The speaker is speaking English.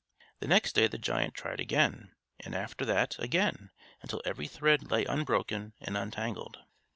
The next day the giant tried again, and after that again, until every thread lay unbroken and untangled.